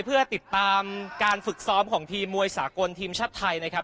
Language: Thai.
เพื่อติดตามการฝึกซ้อมของทีมมวยสากลทีมชาติไทยนะครับ